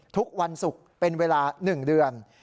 ทุกวันศุกร์เป็นเวลา๑เดือน